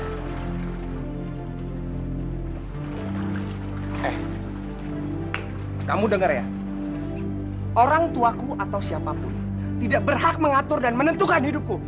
eh kamu dengar ya orang tuaku atau siapapun tidak berhak mengatur dan menentukan hidupku